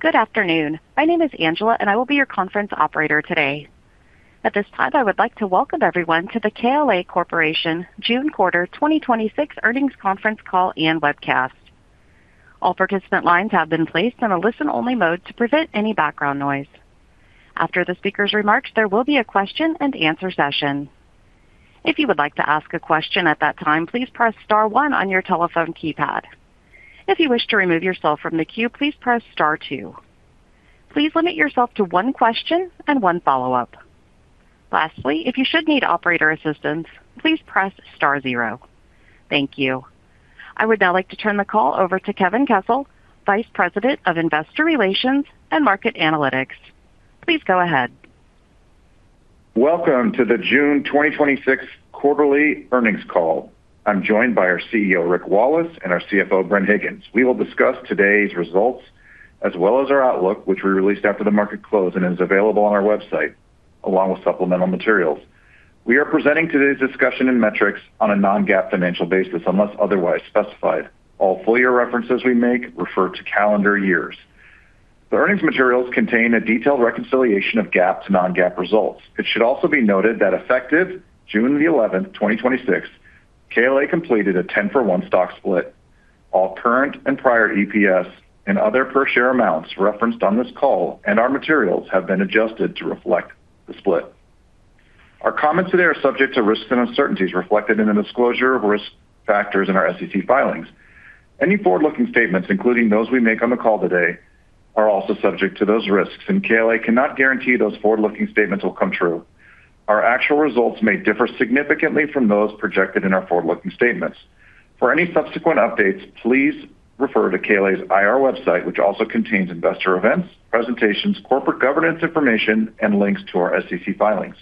Good afternoon. My name is Angela, and I will be your conference operator today. At this time, I would like to welcome everyone to the KLA Corporation June quarter 2026 earnings conference call and webcast. All participant lines have been placed in a listen-only mode to prevent any background noise. After the speaker's remarks, there will be a question and answer session. If you would like to ask a question at that time, please press star one on your telephone keypad. If you wish to remove yourself from the queue, please press star two. Please limit yourself to one question and one follow-up. Lastly, if you should need operator assistance, please press star zero. Thank you. I would now like to turn the call over to Kevin Kessel, Vice President of Investor Relations and Market Analytics. Please go ahead. Welcome to the June 2026 quarterly earnings call. I'm joined by our CEO, Rick Wallace, and our CFO, Bren Higgins. We will discuss today's results as well as our outlook, which we released after the market close and is available on our website along with supplemental materials. We are presenting today's discussion and metrics on a non-GAAP financial basis unless otherwise specified. All full-year references we make refer to calendar years. The earnings materials contain a detailed reconciliation of GAAP to non-GAAP results. It should also be noted that effective June the 11th, 2026, KLA completed a 10-for-one stock split. All current and prior EPS and other per share amounts referenced on this call and our materials have been adjusted to reflect the split. Our comments today are subject to risks and uncertainties reflected in the disclosure of risk factors in our SEC filings. Any forward-looking statements, including those we make on the call today, are also subject to those risks, and KLA cannot guarantee those forward-looking statements will come true. Our actual results may differ significantly from those projected in our forward-looking statements. For any subsequent updates, please refer to KLA's IR website, which also contains investor events, presentations, corporate governance information, and links to our SEC filings.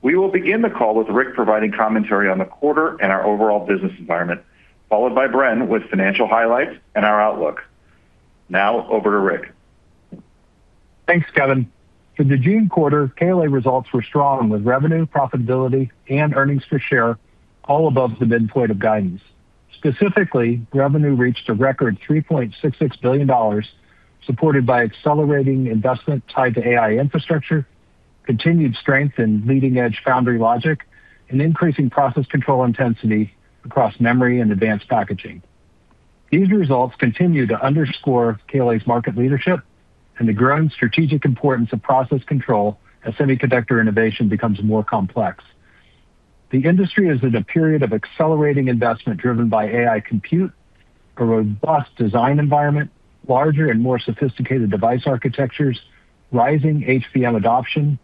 We will begin the call with Rick providing commentary on the quarter and our overall business environment, followed by Bren with financial highlights and our outlook. Now, over to Rick. Thanks, Kevin. For the June quarter, KLA results were strong, with revenue, profitability and earnings per share all above the midpoint of guidance. Specifically, revenue reached a record $3.66 billion, supported by accelerating investment tied to AI infrastructure, continued strength in leading-edge foundry logic, and increasing process control intensity across memory and advanced packaging. These results continue to underscore KLA's market leadership and the growing strategic importance of process control as semiconductor innovation becomes more complex. The industry is in a period of accelerating investment driven by AI compute, a robust design environment, larger and more sophisticated device architectures, rising HVM adoption,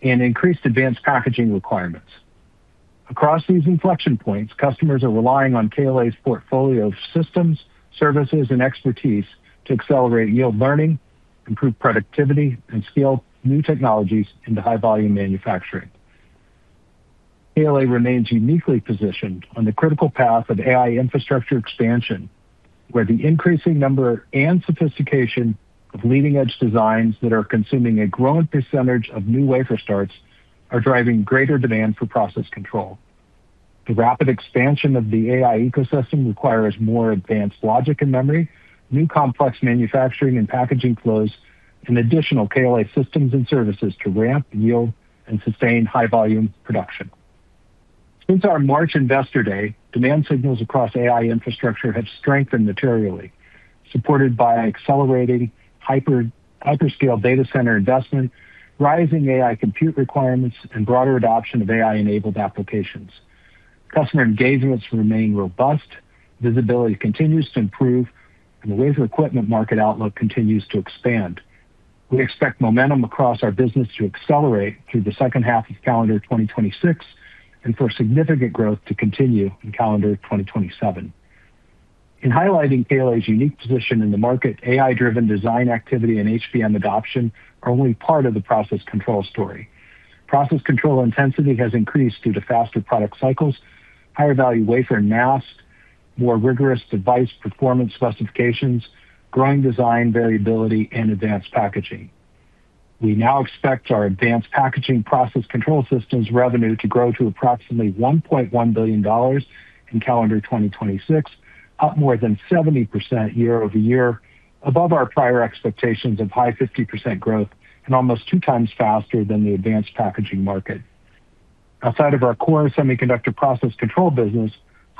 and increased advanced packaging requirements. Across these inflection points, customers are relying on KLA's portfolio of systems, services, and expertise to accelerate yield learning, improve productivity, and scale new technologies into high-volume manufacturing. KLA remains uniquely positioned on the critical path of AI infrastructure expansion, where the increasing number and sophistication of leading-edge designs that are consuming a growing percentage of new wafer starts are driving greater demand for process control. The rapid expansion of the AI ecosystem requires more advanced logic and memory, new complex manufacturing and packaging flows, and additional KLA systems and services to ramp yield and sustain high-volume production. Since our March investor day, demand signals across AI infrastructure have strengthened materially, supported by accelerating hyperscale data center investment, rising AI compute requirements, and broader adoption of AI-enabled applications. Customer engagements remain robust, visibility continues to improve, and the wafer equipment market outlook continues to expand. We expect momentum across our business to accelerate through the second half of calendar 2026 and for significant growth to continue in calendar 2027. In highlighting KLA's unique position in the market, AI-driven design activity and HVM adoption are only part of the process control story. Process control intensity has increased due to faster product cycles, higher value wafer masks, more rigorous device performance specifications, growing design variability, and advanced packaging. We now expect our advanced packaging process control systems revenue to grow to approximately $1.1 billion in calendar 2026, up more than 70% year-over-year, above our prior expectations of high 50% growth, and almost two times faster than the advanced packaging market. Outside of our core semiconductor process control business,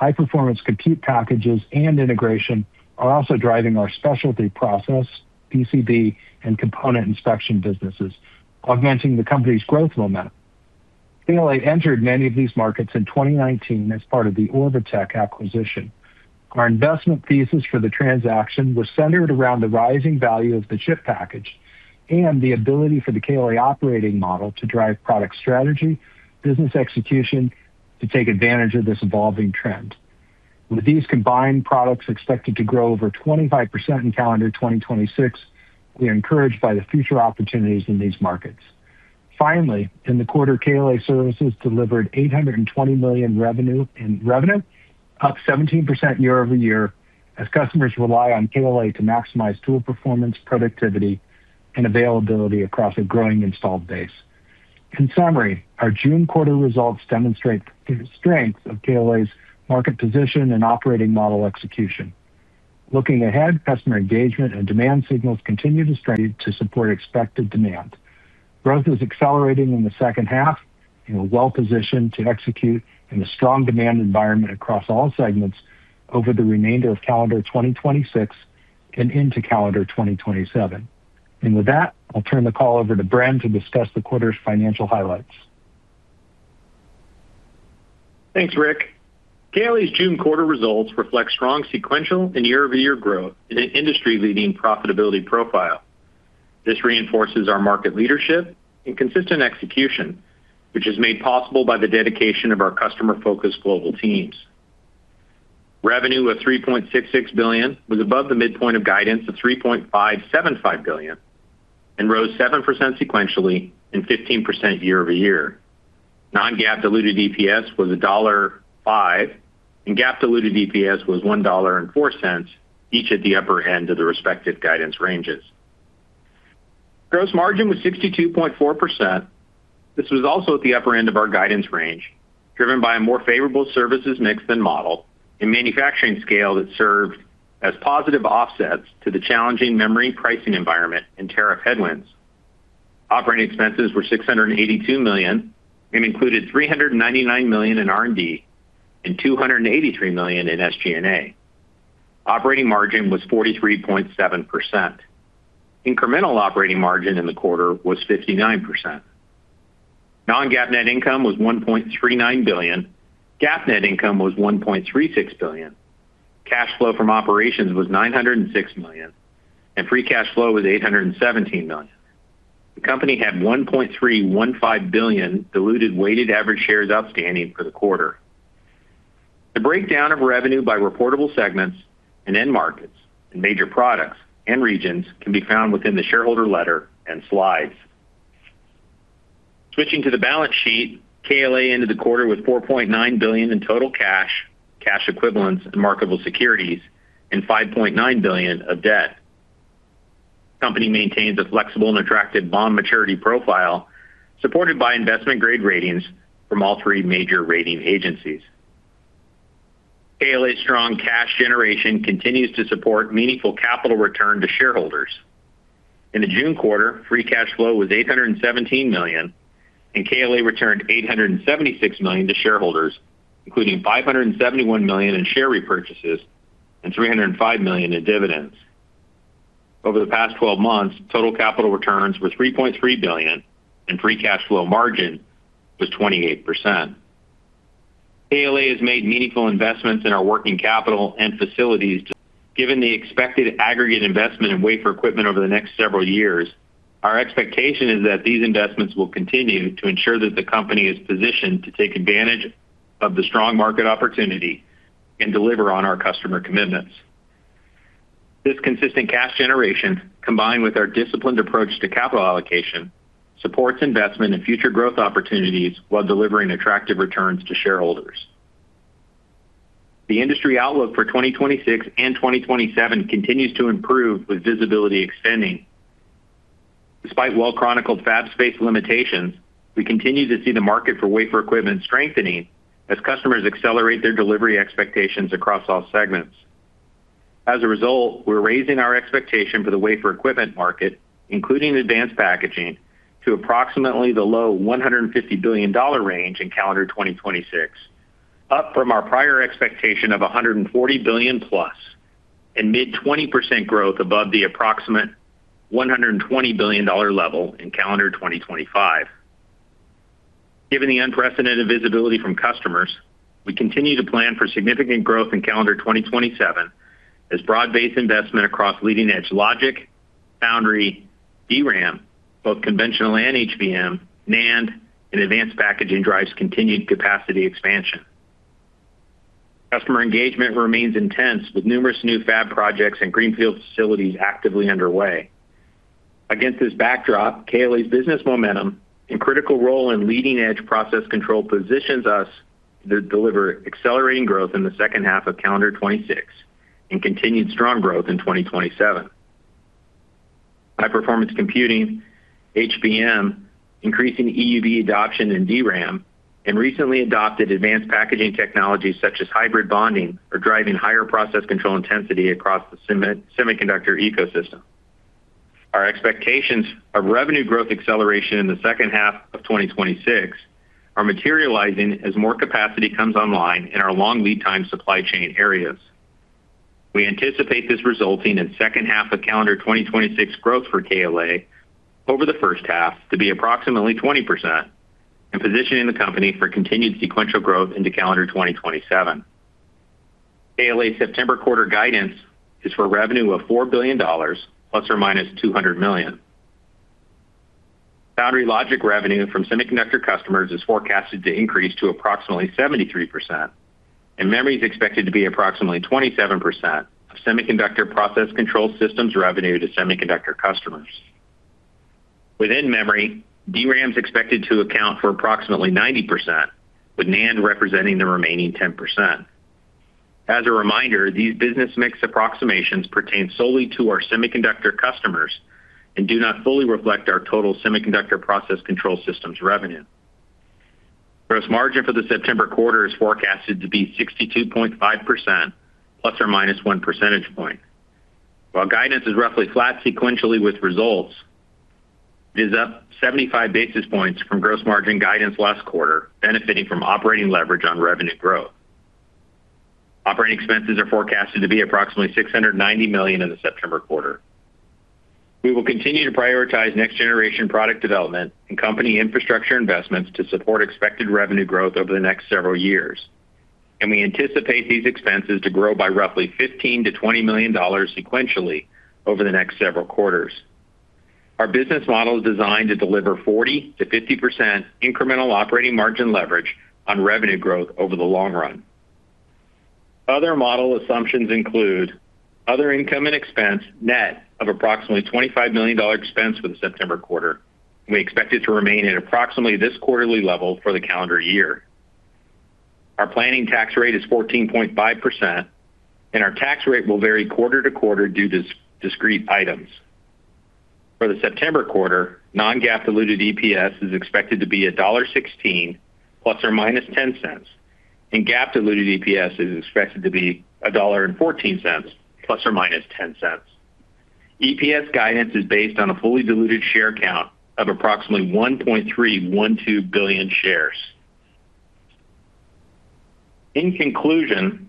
high-performance computing packages and integration are also driving our specialty process, PCB, and component inspection businesses, augmenting the company's growth momentum. KLA entered many of these markets in 2019 as part of the Orbotech acquisition. Our investment thesis for the transaction was centered around the rising value of the chip package and the ability for the KLA operating model to drive product strategy, business execution to take advantage of this evolving trend. With these combined products expected to grow over 25% in calendar 2026, we are encouraged by the future opportunities in these markets. Finally, in the quarter, KLA Services delivered $820 million in revenue, up 17% year-over-year, as customers rely on KLA to maximize tool performance, productivity, and availability across a growing installed base. In summary, our June quarter results demonstrate the strength of KLA's market position and operating model execution. Looking ahead, customer engagement and demand signals continue to support expected demand. Growth is accelerating in the second half, and we're well-positioned to execute in a strong demand environment across all segments over the remainder of calendar 2026 and into calendar 2027. With that, I'll turn the call over to Bren to discuss the quarter's financial highlights. Thanks, Rick. KLA's June quarter results reflect strong sequential and year-over-year growth in an industry-leading profitability profile. This reinforces our market leadership and consistent execution, which is made possible by the dedication of our customer-focused global teams. Revenue of $3.66 billion was above the midpoint of guidance of $3.575 billion and rose 7% sequentially and 15% year-over-year. Non-GAAP diluted EPS was $1.5, and GAAP diluted EPS was $1.04, each at the upper end of the respective guidance ranges. Gross margin was 62.4%. This was also at the upper end of our guidance range, driven by a more favorable services mix than model and manufacturing scale that served as positive offsets to the challenging memory pricing environment and tariff headwinds. Operating expenses were $682 million and included $399 million in R&D and $283 million in SG&A. Operating margin was 43.7%. Incremental operating margin in the quarter was 59%. Non-GAAP net income was $1.39 billion. GAAP net income was $1.36 billion. Cash flow from operations was $906 million, and free cash flow was $817 million. The company had 1.315 billion diluted weighted average shares outstanding for the quarter. The breakdown of revenue by reportable segments and end markets, and major products and regions can be found within the shareholder letter and slides. Switching to the balance sheet, KLA ended the quarter with $4.9 billion in total cash equivalents, and marketable securities, and $5.9 billion of debt. The company maintains a flexible and attractive bond maturity profile, supported by investment-grade ratings from all three major rating agencies. KLA's strong cash generation continues to support meaningful capital return to shareholders. In the June quarter, free cash flow was $817 million, and KLA returned $876 million to shareholders, including $571 million in share repurchases and $305 million in dividends. Over the past 12 months, total capital returns were $3.3 billion, and free cash flow margin was 28%. KLA has made meaningful investments in our working capital and facilities. Given the expected aggregate investment in wafer equipment over the next several years, our expectation is that these investments will continue to ensure that the company is positioned to take advantage of the strong market opportunity and deliver on our customer commitments. This consistent cash generation, combined with our disciplined approach to capital allocation, supports investment in future growth opportunities while delivering attractive returns to shareholders. The industry outlook for 2026 and 2027 continues to improve with visibility extending. Despite well-chronicled fab space limitations, we continue to see the market for wafer equipment strengthening as customers accelerate their delivery expectations across all segments. We're raising our expectation for the wafer equipment market, including advanced packaging, to approximately the low $150 billion range in calendar 2026, up from our prior expectation of $140 billion-plus and mid-20% growth above the approximate $120 billion level in calendar 2025. Given the unprecedented visibility from customers, we continue to plan for significant growth in calendar 2027 as broad-based investment across leading-edge logic, foundry, DRAM, both conventional and HBM, NAND, and advanced packaging drives continued capacity expansion. Customer engagement remains intense with numerous new fab projects and greenfield facilities actively underway. Against this backdrop, KLA's business momentum and critical role in leading-edge process control positions us to deliver accelerating growth in the second half of calendar 2026 and continued strong growth in 2027. High-performance computing, HBM, increasing EUV adoption in DRAM, and recently adopted advanced packaging technologies such as hybrid bonding are driving higher process control intensity across the semiconductor ecosystem. Our expectations of revenue growth acceleration in the second half of 2026 are materializing as more capacity comes online in our long lead time supply chain areas. We anticipate this resulting in second half of calendar 2026 growth for KLA over the first half to be approximately 20% and positioning the company for continued sequential growth into calendar 2027. KLA September quarter guidance is for revenue of $4 billion ± $200 million. Foundry logic revenue from semiconductor customers is forecasted to increase to approximately 73%, and memory is expected to be approximately 27% of semiconductor process control systems revenue to semiconductor customers. Within memory, DRAM's expected to account for approximately 90%, with NAND representing the remaining 10%. As a reminder, these business mix approximations pertain solely to our semiconductor customers and do not fully reflect our total semiconductor process control systems revenue. Gross margin for the September quarter is fore-casted to be 62.5% ± one percentage point. While guidance is roughly flat sequentially with results, it is up 75 basis points from gross margin guidance last quarter, benefiting from operating leverage on revenue growth. Operating expenses are forecasted to be approximately $690 million in the September quarter. We will continue to prioritize next-generation product development and company infrastructure investments to support expected revenue growth over the next several years, and we anticipate these expenses to grow by roughly $15 to 20 million sequentially over the next several quarters. Our business model is designed to deliver 40% to 50% incremental operating margin leverage on revenue growth over the long run. Other model assumptions include other income and expense net of approximately $25 million expense for the September quarter. We expect it to remain at approximately this quarterly level for the calendar year. Our planning tax rate is 14.5%, and our tax rate will vary quarter-to-quarter due to discrete items. For the September quarter, non-GAAP diluted EPS is expected to be $1.16 ± $0.10, and GAAP diluted EPS is expected to be $1.14 ± $0.10. EPS guidance is based on a fully diluted share count of approximately 1.312 billion shares. In conclusion,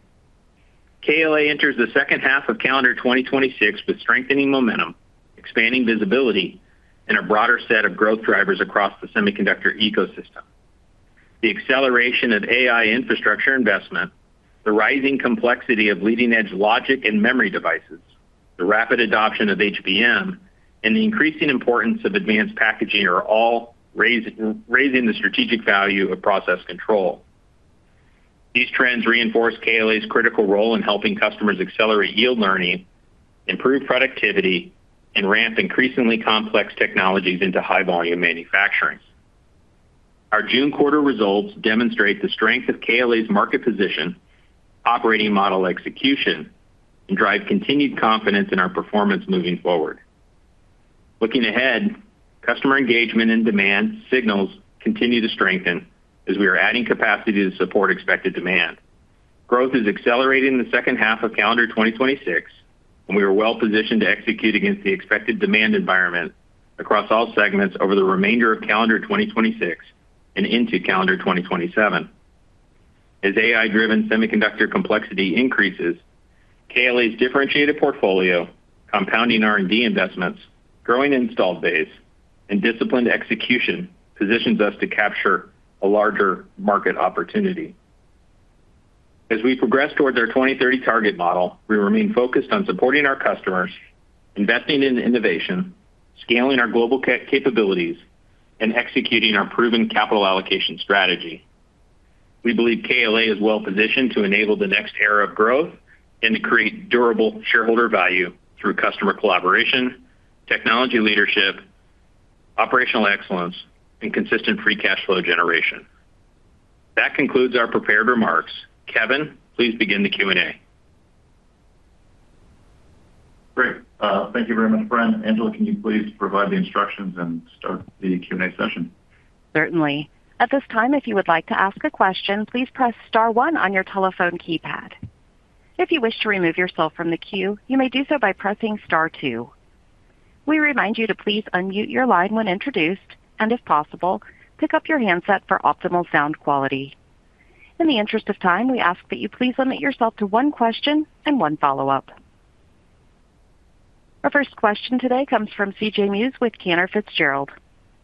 KLA enters the second half of calendar 2026 with strengthening momentum, expanding visibility, and a broader set of growth drivers across the semiconductor ecosystem. The acceleration of AI infrastructure investment, the rising complexity of leading-edge logic and memory devices, the rapid adoption of HBM, and the increasing importance of advanced packaging are all raising the strategic value of process control. These trends reinforce KLA's critical role in helping customers accelerate yield learning, improve productivity, and ramp increasingly complex technologies into high-volume manufacturing. Our June quarter results demonstrate the strength of KLA's market position, operating model execution, and drive continued confidence in our performance moving forward. Looking ahead, customer engagement and demand signals continue to strengthen as we are adding capacity to support expected demand. Growth is accelerating in the second half of calendar 2026, and we are well positioned to execute against the expected demand environment across all segments over the remainder of calendar 2026 and into calendar 2027. As AI-driven semiconductor complexity increases, KLA's differentiated portfolio, compounding R&D investments, growing installed base, and disciplined execution positions us to capture a larger market opportunity. As we progress toward our 2030 target model, we remain focused on supporting our customers, investing in innovation, scaling our global capabilities, and executing our proven capital allocation strategy. We believe KLA is well positioned to enable the next era of growth and to create durable shareholder value through customer collaboration, technology leadership, operational excellence, and consistent free cash flow generation. That concludes our prepared remarks. Kevin, please begin the Q&A. Great. Thank you very much, Bren. Angela, can you please provide the instructions and start the Q&A session? Certainly. At this time, if you would like to ask a question, please press star one on your telephone keypad. If you wish to remove yourself from the queue, you may do so by pressing star two. We remind you to please unmute your line when introduced and, if possible, pick up your handset for optimal sound quality. In the interest of time, we ask that you please limit yourself to one question and one follow-up. Our first question today comes from CJ Muse with Cantor Fitzgerald.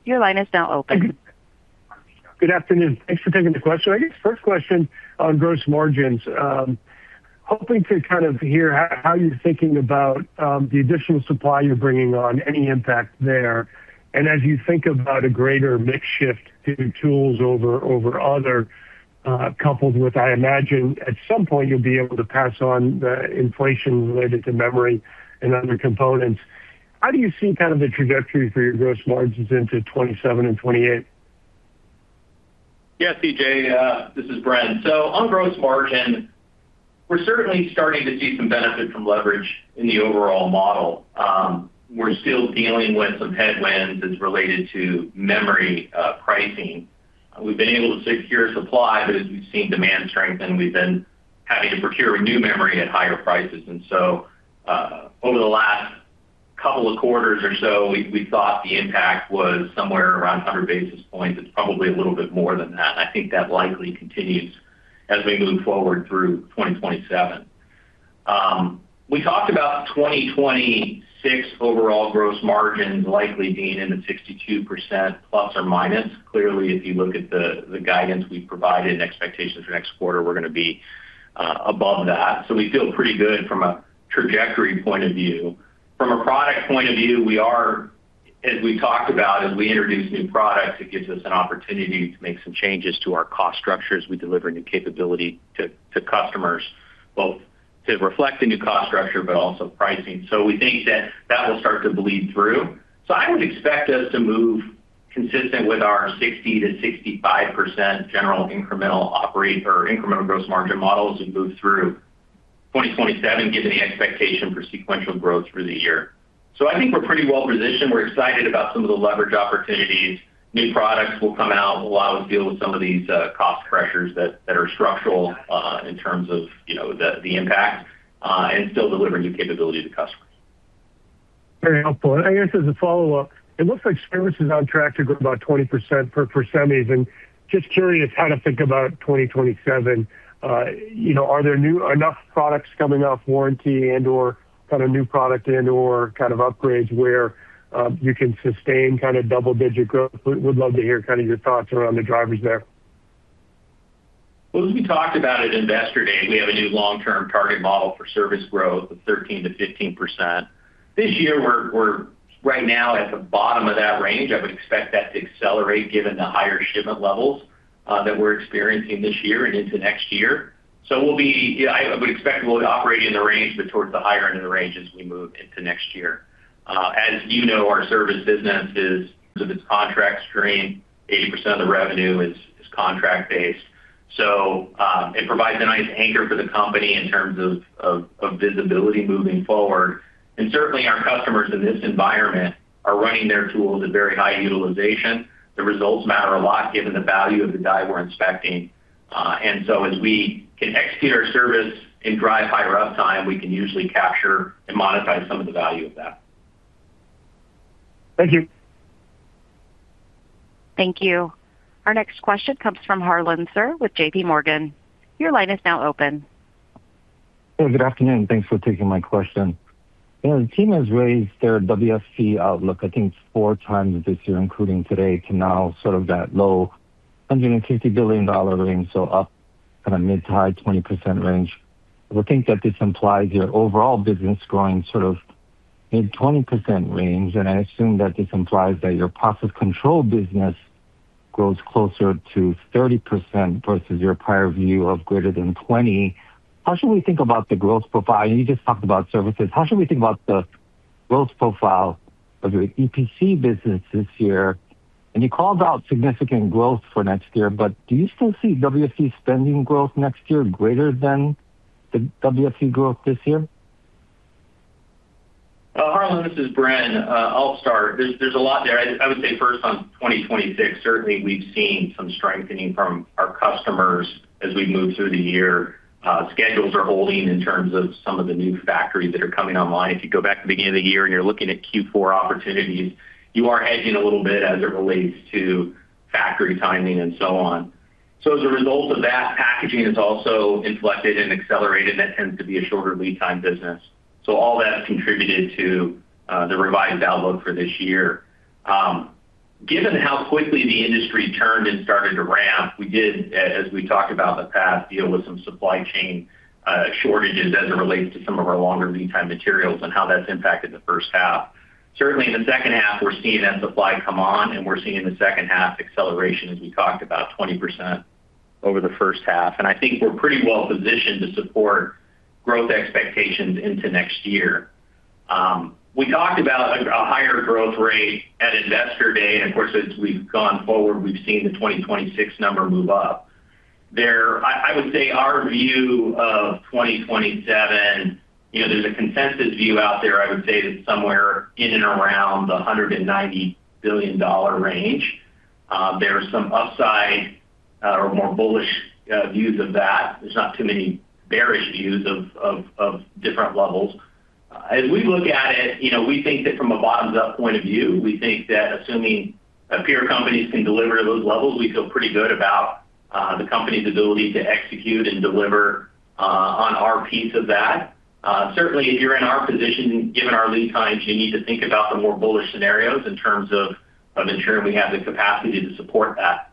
Your line is now open. Good afternoon. Thanks for taking the question. I guess first question on gross margins. Hoping to kind of hear how you're thinking about the additional supply you're bringing on, any impact there. As you think about a greater mix shift to new tools over other, coupled with, I imagine at some point you'll be able to pass on the inflation related to memory and other components. How do you see kind of the trajectory for your gross margins into 2027 and 2028? CJ, this is Bren. On gross margin, we're certainly starting to see some benefit from leverage in the overall model. We're still dealing with some headwinds as related to memory pricing. We've been able to secure supply, but as we've seen demand strengthen, we've been having to procure new memory at higher prices. Over the last couple of quarters or so, we thought the impact was somewhere around 100 basis points. It's probably a little bit more than that, and I think that likely continues as we move forward through 2027. We talked about 2026 overall gross margins likely being in the 62%, plus or minus. Clearly, if you look at the guidance we provided and expectations for next quarter, we're going to be above that. We feel pretty good from a trajectory point of view. From a product point of view, as we talked about, as we introduce new products, it gives us an opportunity to make some changes to our cost structure as we deliver new capability to customers, both to reflect the new cost structure, but also pricing. We think that will start to bleed through. I would expect us to move consistent with our 60% to 65% general incremental operate or incremental gross margin models as we move through 2027, given the expectation for sequential growth through the year. I think we're pretty well-positioned. We're excited about some of the leverage opportunities. New products will come out, allow us to deal with some of these cost pressures that are structural in terms of the impact, and still deliver new capability to customers. Very helpful. I guess as a follow-up, it looks like service is on track to grow about 20% per semis, just curious how to think about 2027. Are there enough products coming off warranty and/or kind of new product and/or kind of upgrades where you can sustain double-digit growth? Would love to hear your thoughts around the drivers there. As we talked about at Investor Day, we have a new long-term target model for service growth of 13% to 15%. This year, we're right now at the bottom of that range. I would expect that to accelerate given the higher shipment levels that we're experiencing this year and into next year. I would expect we'll be operating in the range, but towards the higher end of the range as we move into next year. As you know, our service business is, because of its contract stream, 80% of the revenue is contract-based. It provides a nice anchor for the company in terms of visibility moving forward. Certainly, our customers in this environment are running their tools at very high utilization. The results matter a lot given the value of the die we're inspecting. As we can execute our service and drive higher uptime, we can usually capture and monetize some of the value of that. Thank you. Thank you. Our next question comes from Harlan Sur with JPMorgan. Your line is now open. Hey, good afternoon. Thanks for taking my question. Jim has raised their WFE outlook, I think four times this year, including today, to now sort of that low $150 billion range, so up kind of mid to high 20% range. I would think that this implies your overall business growing mid 20% range, and I assume that this implies that your process control business grows closer to 30% versus your prior view of greater than 20%. How should we think about the growth profile? I know you just talked about services. How should we think about the growth profile of your EPC business this year? You called out significant growth for next year, but do you still see WFE spending growth next year greater than the WFE growth this year? Harlan, this is Bren. I'll start. There's a lot there. I would say first on 2026, certainly we've seen some strengthening from our customers as we've moved through the year. Schedules are holding in terms of some of the new factories that are coming online. If you go back to the beginning of the year and you're looking at Q4 opportunities, you are hedging a little bit as it relates to factory timing and so on. As a result of that, packaging has also inflected and accelerated, and that tends to be a shorter lead time business. All that contributed to the revised outlook for this year. Given how quickly the industry turned and started to ramp, we did, as we talked about in the past, deal with some supply chain shortages as it relates to some of our longer lead time materials and how that's impacted the first half. Certainly, in the second half, we're seeing that supply come on, and we're seeing in the second half acceleration, as we talked about, 20% over the first half. I think we're pretty well-positioned to support growth expectations into next year. We talked about a higher growth rate at Investor Day, and of course, as we've gone forward, we've seen the 2026 number move up. I would say our view of 2027, there's a consensus view out there, I would say, that's somewhere in and around the $190 billion range. There are some upside or more bullish views of that. There's not too many bearish views of different levels. As we look at it, we think that from a bottoms-up point of view, we think that assuming our peer companies can deliver to those levels, we feel pretty good about the company's ability to execute and deliver on our piece of that. Certainly, if you're in our position, given our lead times, you need to think about the more bullish scenarios in terms of ensuring we have the capacity to support that.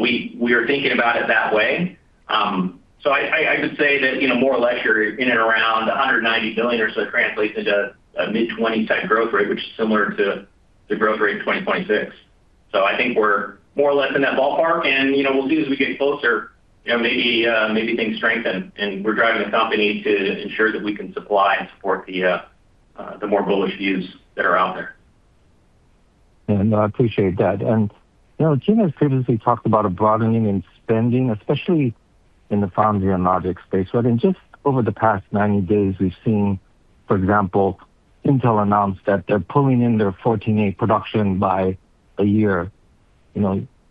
We are thinking about it that way. I would say that more or less you're in and around $190 billion or so translates into a mid-20 type growth rate, which is similar to the growth rate in 2026. I think we're more or less in that ballpark, and we'll see as we get closer, maybe things strengthen, and we're driving the company to ensure that we can supply and support the more bullish views that are out there. I appreciate that. Jim has previously talked about a broadening in spending, especially in the foundry and logic space. In just over the past 90 days, we've seen, for example, Intel announce that they're pulling in their 14A production by a year,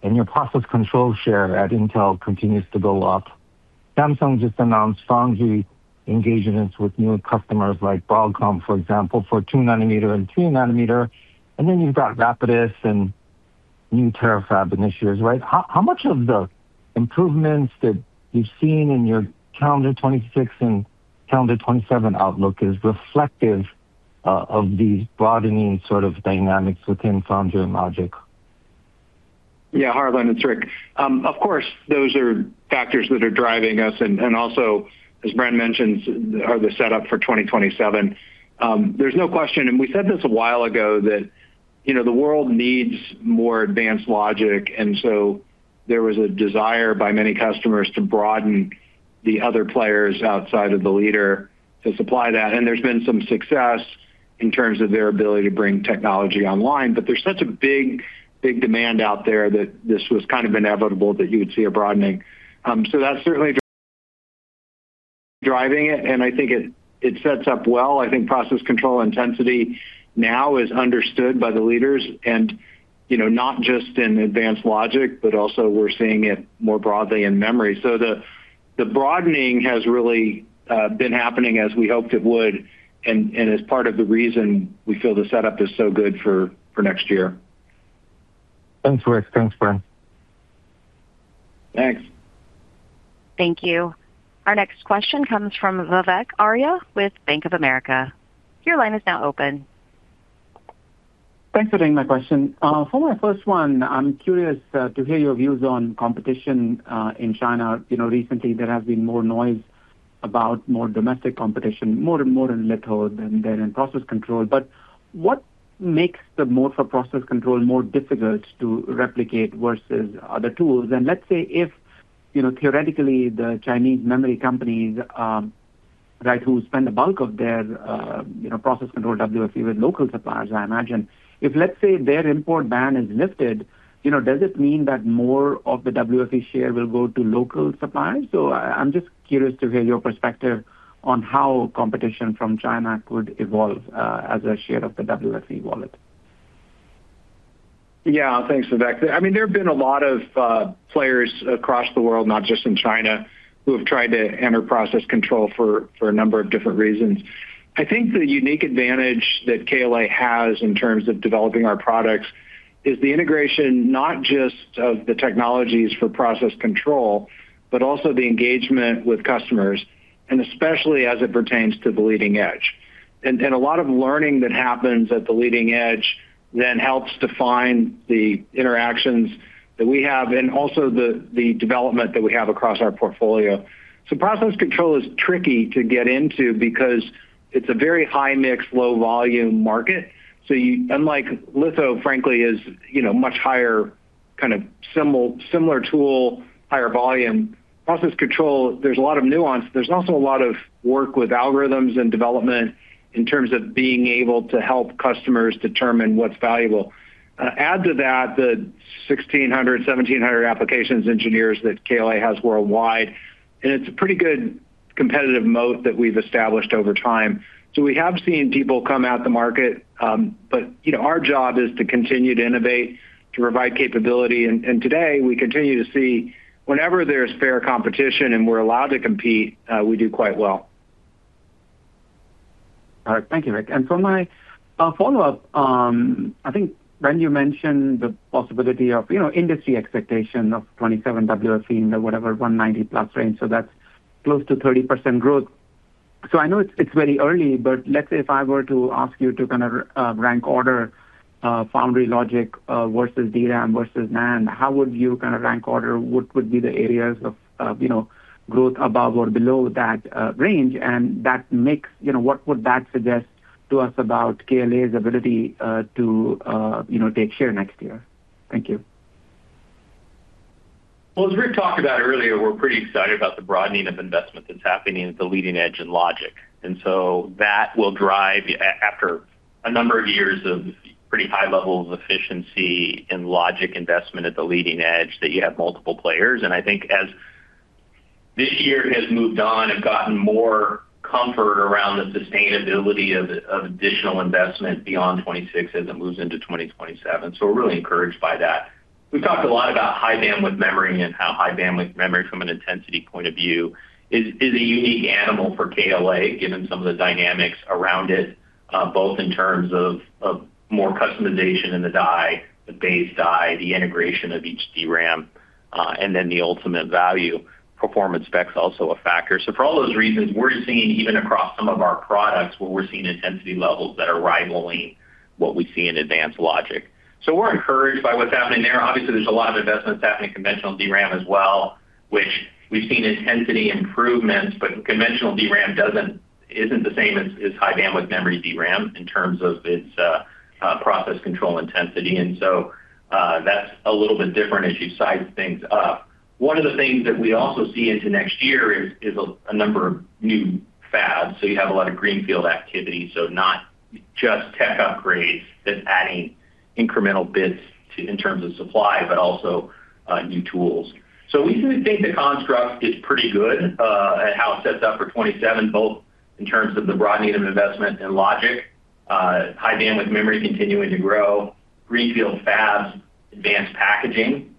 and your process control share at Intel continues to go up. Samsung just announced foundry engagements with new customers like Broadcom, for example, for 2 nanometer and 3 nanometer. You've got Rapidus and new Terafab initiatives, right? How much of the improvements that you've seen in your calendar 2026 and calendar 2027 outlook is reflective of these broadening sort of dynamics within foundry and logic? Yeah, Harlan, it's Rick. Of course, those are factors that are driving us. As Bren mentioned, are the setup for 2027. There's no question, we said this a while ago, that the world needs more advanced logic. There was a desire by many customers to broaden the other players outside of the leader to supply that. There's been some success in terms of their ability to bring technology online. There's such a big demand out there that this was kind of inevitable that you would see a broadening. That's certainly driving it, and I think it sets up well. I think process control intensity now is understood by the leaders, not just in advanced logic, but also we're seeing it more broadly in memory. The broadening has really been happening as we hoped it would, and is part of the reason we feel the setup is so good for next year. Thanks, Rick. Thanks, Bren. Thanks. Thank you. Our next question comes from Vivek Arya with Bank of America. Your line is now open. Thanks for taking my question. For my first one, I'm curious to hear your views on competition in China. Recently, there has been more noise about more domestic competition, more in litho than there in process control. What makes the moat for process control more difficult to replicate versus other tools? Let's say if, theoretically, the Chinese memory companies, who spend the bulk of their process control WFE with local suppliers, I imagine, if, let's say, their import ban is lifted, does it mean that more of the WFE share will go to local suppliers? I'm just curious to hear your perspective on how competition from China could evolve as a share of the WFE wallet. Yeah, thanks, Vivek. There have been a lot of players across the world, not just in China, who have tried to enter process control for a number of different reasons. I think the unique advantage that KLA has in terms of developing our products is the integration not just of the technologies for process control, but also the engagement with customers, and especially as it pertains to the leading edge. A lot of learning that happens at the leading edge then helps define the interactions that we have and also the development that we have across our portfolio. Process control is tricky to get into because it's a very high-mix, low-volume market. Unlike litho, frankly, is much higher kind of similar tool, higher volume. Process control, there's a lot of nuance. There's also a lot of work with algorithms and development in terms of being able to help customers determine what's valuable. Add to that the 1,600, 1,700 applications engineers that KLA has worldwide, and it's a pretty good competitive moat that we've established over time. We have seen people come at the market, but our job is to continue to innovate, to provide capability, and today we continue to see whenever there's fair competition and we're allowed to compete, we do quite well. All right. Thank you, Rick. For my follow-up, I think, Bren, you mentioned the possibility of industry expectation of 2027 WFE in the whatever, 190 plus range, that's close to 30% growth. I know it's very early, but let's say if I were to ask you to kind of rank order foundry logic versus DRAM versus NAND, how would you kind of rank order what would be the areas of growth above or below that range? What would that suggest to us about KLA's ability to take share next year? Thank you. Well, as Rick talked about earlier, we're pretty excited about the broadening of investment that's happening at the leading edge in logic. That will drive, after a number of years of pretty high levels of efficiency in logic investment at the leading edge, that you have multiple players. I think as this year has moved on and gotten more comfort around the sustainability of additional investment beyond 2026 as it moves into 2027. We're really encouraged by that. We've talked a lot about high-bandwidth memory and how high-bandwidth memory from an intensity point of view is a unique animal for KLA, given some of the dynamics around it, both in terms of more customization in the die, the base die, the integration of each DRAM, and then the ultimate value. Performance spec's also a factor. For all those reasons, we're seeing, even across some of our products, where we're seeing intensity levels that are rivaling what we see in advanced logic. We're encouraged by what's happening there. Obviously, there's a lot of investments happening in conventional DRAM as well, which we've seen intensity improvements, but conventional DRAM isn't the same as high-bandwidth memory DRAM in terms of its process control intensity. That's a little bit different as you size things up. One of the things that we also see into next year is a number of new fabs, you have a lot of greenfield activity, not just tech upgrades, just adding incremental bits in terms of supply, but also new tools. We think the construct is pretty good at how it sets up for 2027, both in terms of the broadening of investment in logic, high-bandwidth memory continuing to grow, greenfield fabs, advanced packaging.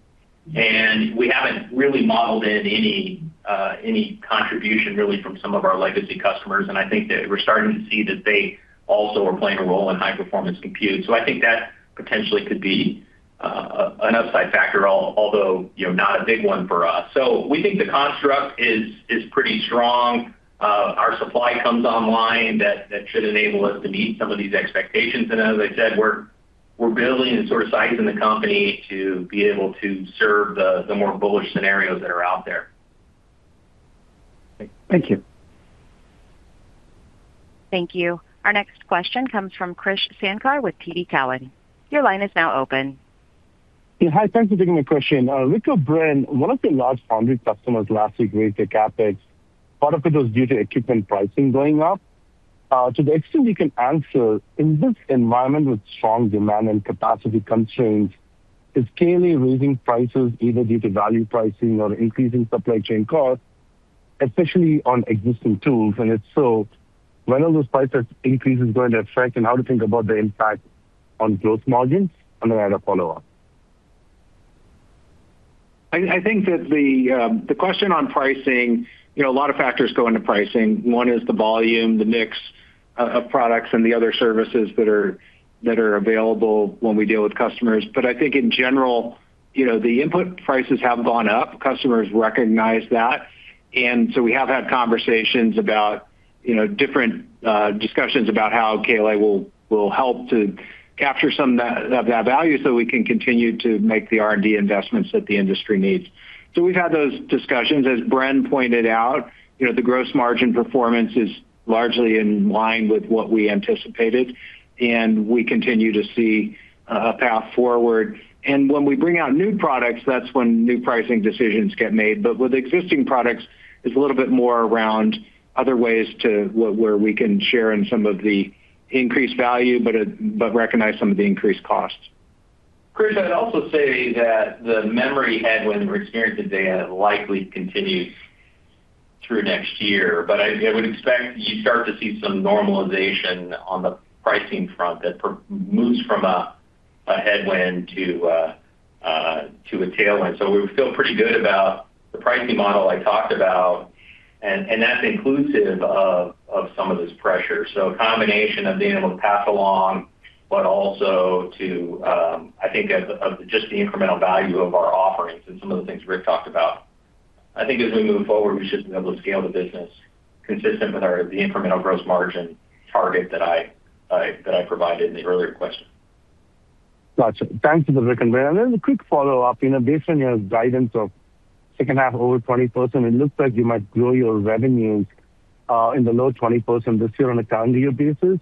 We haven't really modeled in any contribution really from some of our legacy customers, I think that we're starting to see that they also are playing a role in high-performance computing. I think that potentially could be an upside factor, although not a big one for us. We think the construct is pretty strong. Our supply comes online, that should enable us to meet some of these expectations. As I said, we're building and sort of sizing the company to be able to serve the more bullish scenarios that are out there. Thank you. Thank you. Our next question comes from Krish Sankar with TD Cowen. Your line is now open. Hi, thanks for taking my question. Rick or Bren, one of the large foundry customers last week raised their CapEx. Part of it was due to equipment pricing going up. To the extent you can answer, in this environment with strong demand and capacity constraints, is KLA raising prices either due to value pricing or increasing supply chain costs, especially on existing tools? If so, when are those price increases going to affect, and how to think about the impact on gross margins? I had a follow-up. I think that the question on pricing, a lot of factors go into pricing. One is the volume, the mix of products and the other services that are available when we deal with customers. I think in general, the input prices have gone up. Customers recognize that, we have had different discussions about how KLA will help to capture some of that value so we can continue to make the R&D investments that the industry needs. We've had those discussions. As Bren pointed out, the gross margin performance is largely in line with what we anticipated, we continue to see a path forward. When we bring out new products, that's when new pricing decisions get made. With existing products, it's a little bit more around other ways to where we can share in some of the increased value, but recognize some of the increased costs. Krish, I'd also say that the memory headwind we're experiencing today likely continues through next year. I would expect you start to see some normalization on the pricing front that moves from a headwind to a tailwind. We feel pretty good about the pricing model I talked about, and that's inclusive of some of this pressure. A combination of being able to pass along, but also to, I think of just the incremental value of our offerings and some of the things Rick talked about. I think as we move forward, we should be able to scale the business consistent with the incremental gross margin target that I provided in the earlier question. Got you. Thanks for the color, Bren. Then a quick follow-up. Based on your guidance of second half over 20%, it looks like you might grow your revenues in the low 20% this year on a calendar year basis.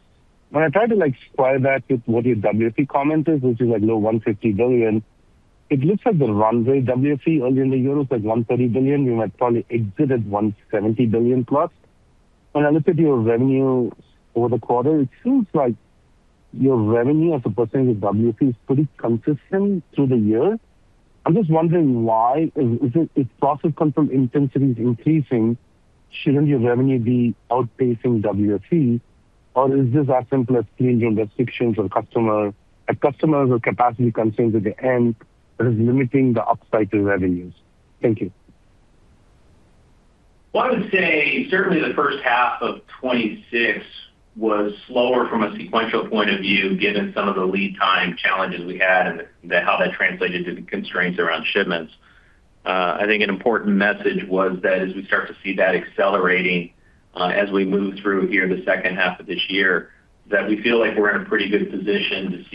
When I try to square that with what your WFE comment is, which is like low $150 billion, it looks like the runway WFE early in the year looks like $130 billion, you might probably exit at $170 billion+. When I look at your revenues over the quarter, it seems like your revenue as a percentage of WFE is pretty consistent through the year. I'm just wondering why. If process control intensity is increasing, shouldn't your revenue be outpacing WFE, or is this as simple as changing restrictions on customers, or customers with capacity constraints at the end that is limiting the upside to revenues? Thank you. I would say certainly the first half of 2026 was slower from a sequential point of view, given some of the lead time challenges we had and how that translated to the constraints around shipments. I think an important message was that as we start to see that accelerating as we move through here in the second half of this year, that we feel like we're in a pretty good position to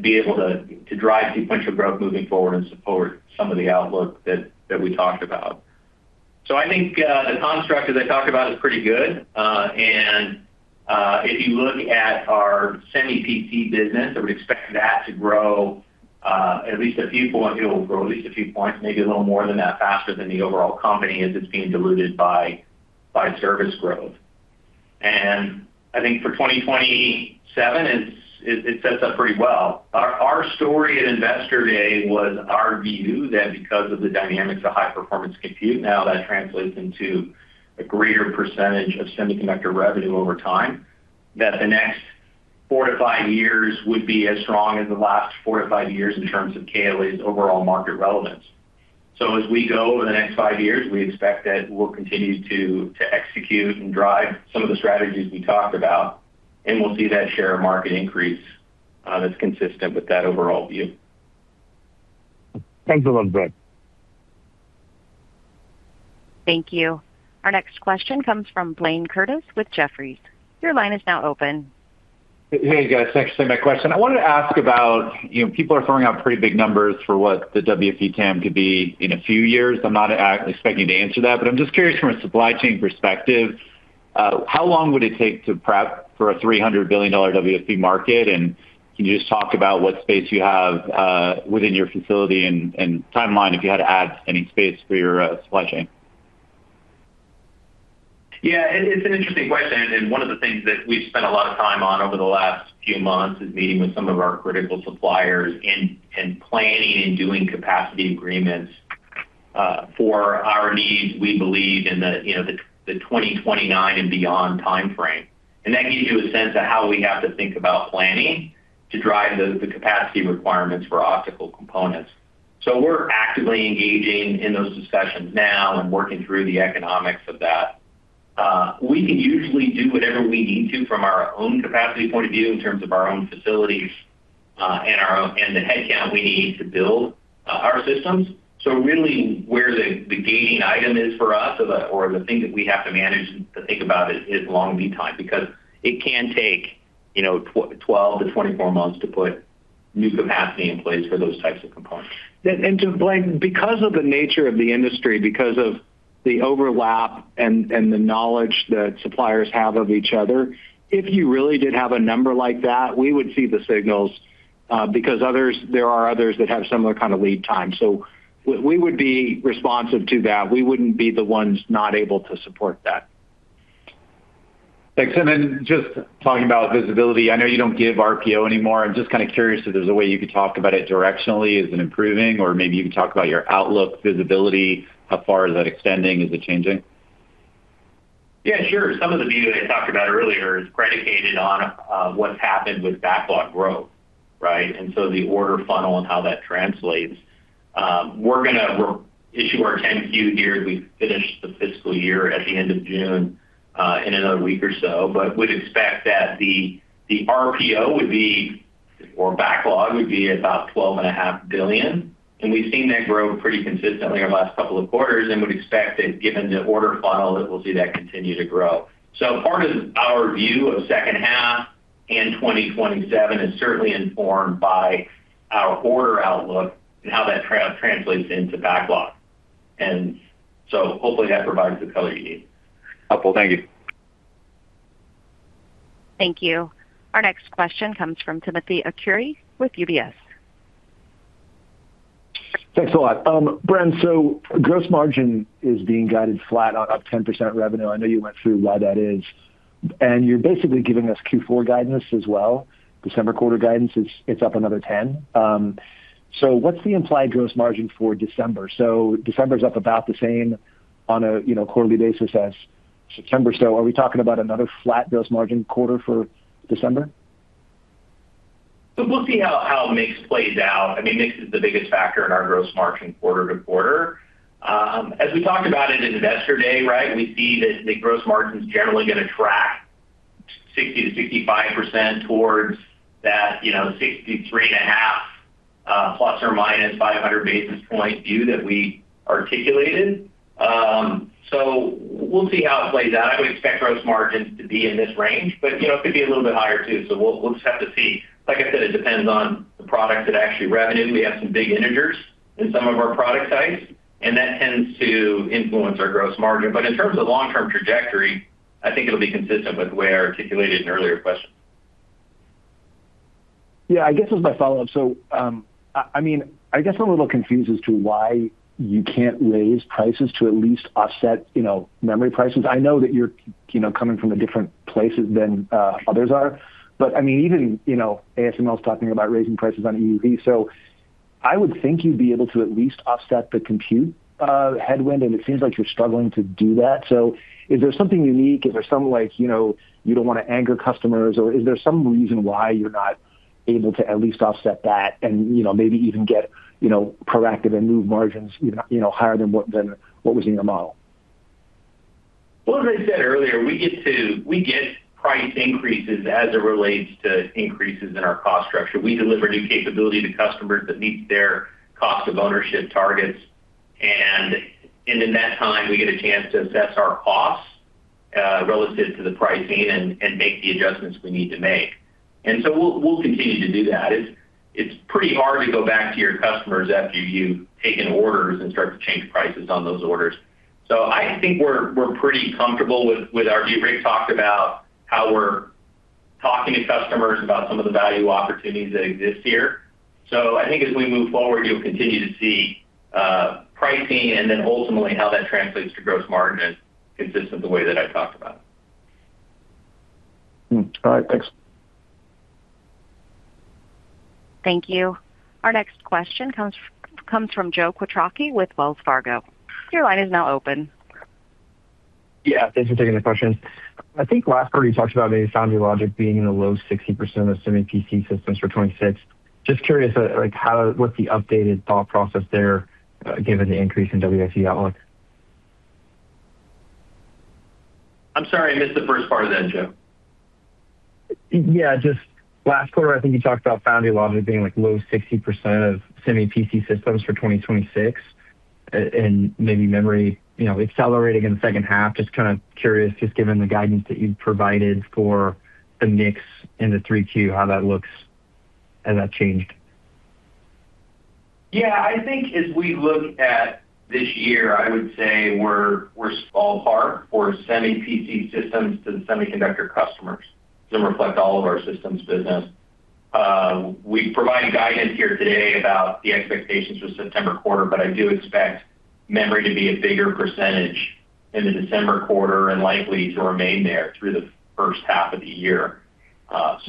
be able to drive sequential growth moving forward and support some of the outlook that we talked about. I think the construct as I talked about is pretty good. If you look at our SEMI-PT business, I would expect that to grow at least a few points, maybe a little more than that, faster than the overall company as it's being diluted by service growth. I think for 2027, it sets up pretty well. Our story at Investor Day was our view that because of the dynamics of high-performance computing, now that translates into a greater percentage of semiconductor revenue over time, that the next four to five years would be as strong as the last four to five years in terms of KLA's overall market relevance. As we go over the next five years, we expect that we'll continue to execute and drive some of the strategies we talked about, and we'll see that share of market increase that's consistent with that overall view. Thanks a lot, Bren. Thank you. Our next question comes from Blayne Curtis with Jefferies. Your line is now open. Hey, guys. Thanks for taking my question. I wanted to ask about, people are throwing out pretty big numbers for what the WFE TAM could be in a few years. I'm not expecting you to answer that, but I'm just curious from a supply chain perspective, how long would it take to prep for a $300 billion WFE market? Can you just talk about what space you have within your facility and timeline if you had to add any space for your supply chain? Yeah. It's an interesting question. One of the things that we've spent a lot of time on over the last few months is meeting with some of our critical suppliers and planning and doing capacity agreements for our needs, we believe in the 2029 and beyond time-frame. That gives you a sense of how we have to think about planning to drive the capacity requirements for optical components. We're actively engaging in those discussions now and working through the economics of that. We can usually do whatever we need to from our own capacity point of view in terms of our own facilities and the headcount we need to build our systems. Really where the gating item is for us or the thing that we have to manage to think about is lead time, because it can take 12 to 24 months to put New capacity in place for those types of components. Two Blayne, because of the nature of the industry, because of the overlap and the knowledge that suppliers have of each other. If you really did have a number like that, we would see the signals, because there are others that have similar kind of lead time. We would be responsive to that. We wouldn't be the ones not able to support that. Thanks. Just talking about visibility. I know you don't give RPO anymore. I'm just kind of curious if there's a way you could talk about it directionally. Is it improving? Maybe you can talk about your outlook visibility. How far is that extending? Is it changing? Yeah, sure. Some of the view I talked about earlier is predicated on what's happened with backlog growth, right? The order funnel and how that translates. We're going to issue our 10-Q here as we finish the fiscal year at the end of June, in another week or so. We'd expect that the RPO, or backlog, would be about $12.5 billion. We've seen that grow pretty consistently over the last couple of quarters and would expect that given the order funnel, that we'll see that continue to grow. Part of our view of the second half and 2027 is certainly informed by our order outlook and how that translates into backlog. Hopefully that provides the color you need. Helpful. Thank you. Thank you. Our next question comes from Timothy Arcuri with UBS. Thanks a lot. Bren, gross margin is being guided flat on up 10% revenue. I know you went through why that is, you're basically giving us Q4 guidance as well. December quarter guidance, it's up another 10%. What's the implied gross margin for December? December is up about the same on a quarterly basis as September. Are we talking about another flat gross margin quarter for December? We'll see how mix plays out. Mix is the biggest factor in our gross margin quarter to quarter. As we talked about at Investor Day, we see that the gross margin is generally going to track 60% to 65% towards that 63.5%, ±500 basis point view that we articulated. We'll see how it plays out. I would expect gross margins to be in this range, but it could be a little bit higher too. We'll just have to see. Like I said, it depends on the product that actually revenues. We have some big integers in some of our product types, and that tends to influence our gross margin. In terms of long-term trajectory, I think it'll be consistent with the way I articulated in an earlier question. I guess that's my follow-up. I guess I'm a little confused as to why you can't raise prices to at least offset memory prices. I know that you're coming from a different place than others are, but even ASML is talking about raising prices on EUV. I would think you'd be able to at least offset the compute headwind, and it seems like you're struggling to do that. Is there something unique? Is there something like you don't want to anger customers, or is there some reason why you're not able to at least offset that and maybe even get proactive and move margins higher than what was in your model? As I said earlier, we get price increases as it relates to increases in our cost structure. We deliver new capability to customers that meets their cost of ownership targets. In that time, we get a chance to assess our costs, relative to the pricing and make the adjustments we need to make. We'll continue to do that. It's pretty hard to go back to your customers after you've taken orders and start to change prices on those orders. I think we're pretty comfortable with our view. Rick talked about how we're talking to customers about some of the value opportunities that exist here. I think as we move forward, you'll continue to see pricing and then ultimately how that translates to gross margin is consistent the way that I talked about. All right. Thanks. Thank you. Our next question comes from Joe Quatrochi with Wells Fargo. Your line is now open. Yeah, thanks for taking the question. I think last quarter you talked about maybe foundry logic being in the low 60% of semi PC systems for 2026. Just curious, what's the updated thought process there given the increase in WFE outlook? I'm sorry, I missed the first part of that, Joe. Yeah, just last quarter, I think you talked about foundry logic being low 60% of semi PC systems for 2026, and maybe memory accelerating in the second half. Just kind of curious, just given the guidance that you've provided for the mix in the 3Q, how that looks. Has that changed? Yeah, I think as we look at this year, I would say we're spot on for semi PC systems to the semiconductor customers to reflect all of our systems business. We provided guidance here today about the expectations for the September quarter. I do expect memory to be a bigger percentage in the December quarter and likely to remain there through the first half of the year. We'll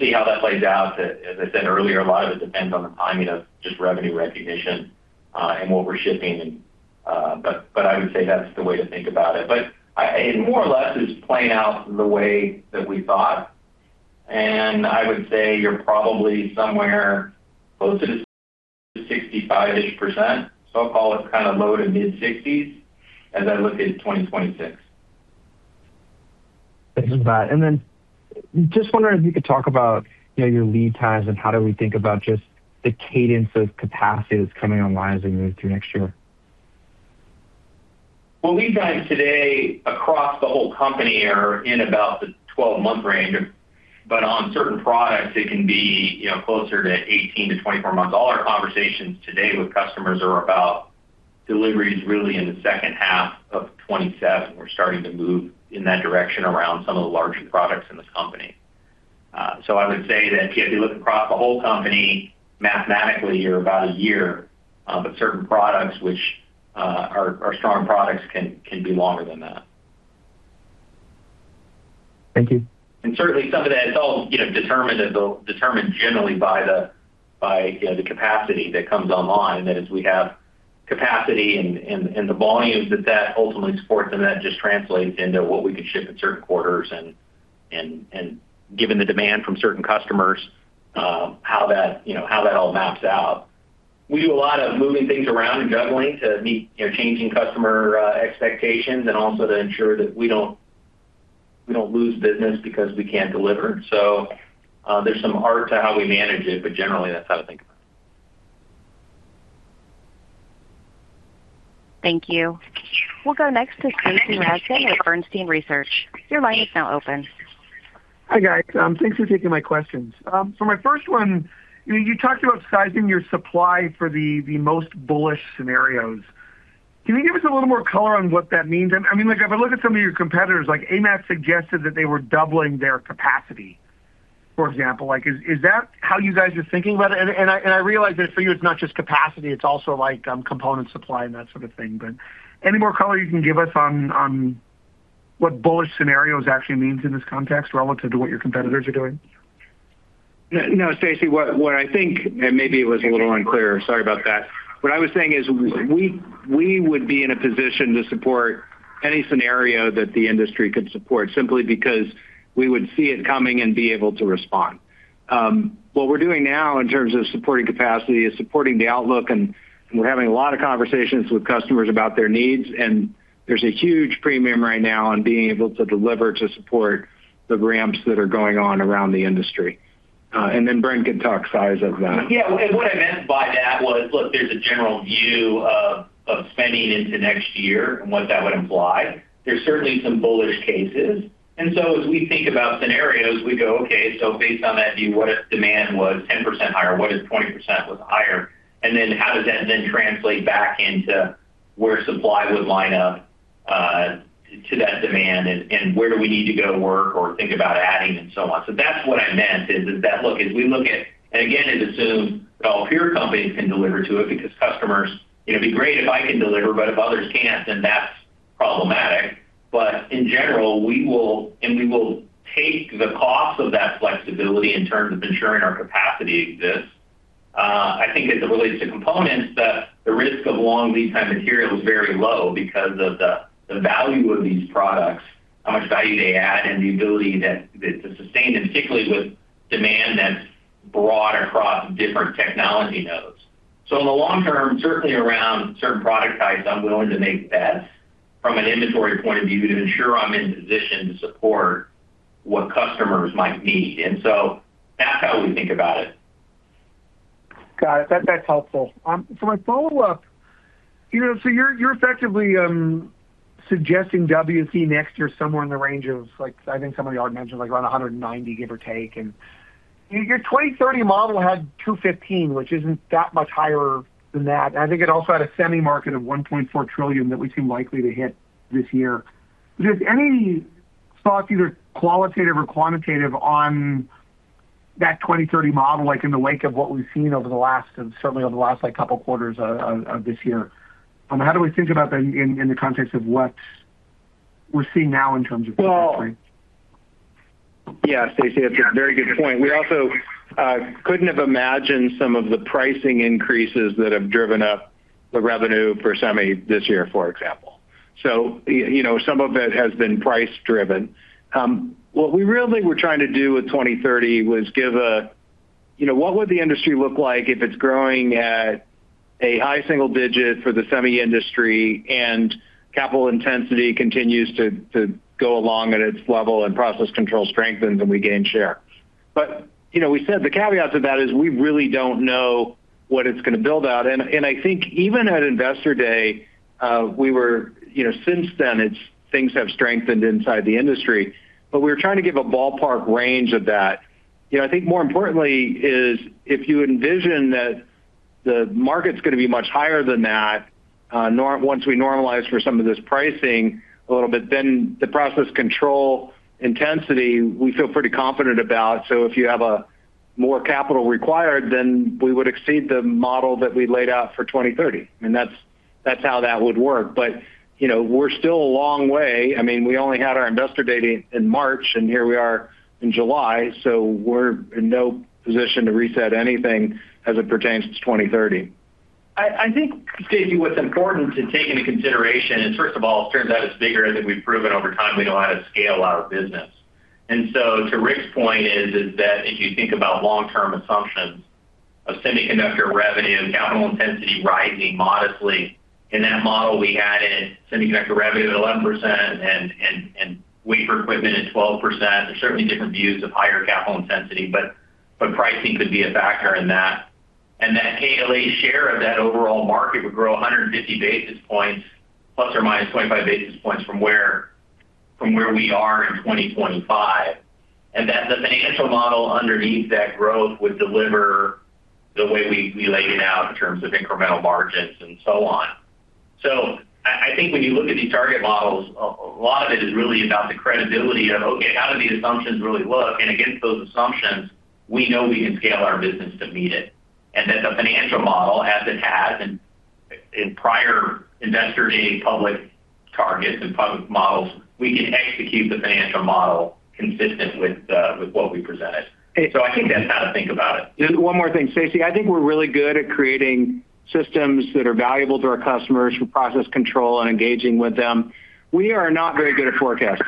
see how that plays out. As I said earlier, a lot of it depends on the timing of just revenue recognition, and what we're shipping. I would say that's the way to think about it. It more or less is playing out the way that we thought, and I would say you're probably somewhere close to 65-ish%, so I'll call it low to mid-60s as I look at 2026. Thanks for that. Just wondering if you could talk about your lead times and how do we think about just the cadence of capacity that's coming online as we move through next year? Lead times today across the whole company are in about the 12-month range. On certain products, it can be closer to 18 to 24 months. All our conversations today with customers are about deliveries really in the second half of 2027. We're starting to move in that direction around some of the larger products in this company. I would say that if you look across the whole company, mathematically, you're about a year. Certain products, which are strong products, can be longer than that. Thank you. Certainly, some of that is all determined generally by the capacity that comes online, that as we have capacity and the volumes that ultimately supports, that just translates into what we can ship in certain quarters, and given the demand from certain customers, how that all maps out. We do a lot of moving things around and juggling to meet changing customer expectations and also to ensure that we don't lose business because we can't deliver. There's some art to how we manage it. Generally, that's how to think about it. Thank you. We'll go next to Stacy Rasgon at Bernstein Research. Your line is now open. Hi, guys. Thanks for taking my questions. My first one, you talked about sizing your supply for the most bullish scenarios. Can you give us a little more color on what that means? If I look at some of your competitors, like AMAT suggested that they were doubling their capacity, for example. Is that how you guys are thinking about it? I realize that for you, it's not just capacity, it's also component supply and that sort of thing. Any more color you can give us on what bullish scenarios actually means in this context relative to what your competitors are doing? No, Stacy, what I think, maybe it was a little unclear, sorry about that. What I was saying is we would be in a position to support any scenario that the industry could support, simply because we would see it coming and be able to respond. What we're doing now in terms of supporting capacity is supporting the outlook, we're having a lot of conversations with customers about their needs, there's a huge premium right now on being able to deliver to support the ramps that are going on around the industry. Then Bren can talk size of that. Yeah. What I meant by that was, look, there's a general view of spending into next year and what that would imply. There's certainly some bullish cases. As we think about scenarios, we go, "Okay, so based on that view, what if demand was 10% higher? What if 20% was higher?" How does that then translate back into where supply would line up to that demand, and where do we need to go to work or think about adding and so on. That's what I meant is that, look. Again, it assumes that all peer companies can deliver to it because customers, it'd be great if I can deliver, but if others can't, then that's problematic. In general, we will take the cost of that flexibility in terms of ensuring our capacity exists. I think as it relates to components, the risk of long lead time material is very low because of the value of these products, how much value they add, and the ability to sustain them, particularly with demand that's broad across different technology nodes. In the long term, certainly around certain product types, I'm willing to make bets from an inventory point of view to ensure I'm in a position to support what customers might need. That's how we think about it. Got it. That's helpful. For my follow-up, you're effectively suggesting WFE next year somewhere in the range of, I think somebody already mentioned, around $190 billion, give or take. Your 2030 model had $215 billion, which isn't that much higher than that. I think it also had a semi market of $1.4 trillion that we seem likely to hit this year. Is there any thoughts, either qualitative or quantitative, on that 2030 model, in the wake of what we've seen over the last, certainly over the last couple of quarters of this year? How do we think about that in the context of what we're seeing now in terms of progress, Rick? Yeah, Stacy, that's a very good point. We also couldn't have imagined some of the pricing increases that have driven up the revenue for semi this year, for example. Some of it has been price-driven. What we really were trying to do with 2030 was give a, what would the industry look like if it's growing at a high single digit for the semi industry and capital intensity continues to go along at its level and process control strengthens and we gain share. We said the caveat to that is we really don't know what it's going to build out. I think even at Investor Day, since then, things have strengthened inside the industry. We were trying to give a ballpark range of that. I think more importantly is if you envision that the market's going to be much higher than that once we normalize for some of this pricing a little bit, then the process control intensity, we feel pretty confident about. If you have more capital required, then we would exceed the model that we laid out for 2030, and that's how that would work. We're still a long way. We only had our Investor Day in March, and here we are in July, so we're in no position to reset anything as it pertains to 2030. I think, Stacy, what's important to take into consideration is, first of all, it turns out it's bigger, and that we've proven over time we know how to scale our business. To Rick's point is that if you think about long-term assumptions of semiconductor revenue and capital intensity rising modestly, in that model, we had in semiconductor revenue at 11% and wafer equipment at 12%. There's certainly different views of higher capital intensity, but pricing could be a factor in that. That KLA share of that overall market would grow 150 basis points plus or minus 25 basis points from where we are in 2025, and that the financial model underneath that growth would deliver the way we laid it out in terms of incremental margins and so on. I think when you look at these target models, a lot of it is really about the credibility of, okay, how do the assumptions really look? Against those assumptions, we know we can scale our business to meet it, and that the financial model, as it has in prior Investor Day public targets and public models, we can execute the financial model consistent with what we presented. Hey- I think that's how to think about it. Just one more thing. Stacy, I think we're really good at creating systems that are valuable to our customers for process control and engaging with them. We are not very good at forecasting.